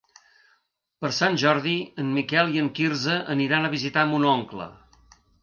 Per Sant Jordi en Miquel i en Quirze aniran a visitar mon oncle.